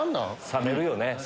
冷めるよね。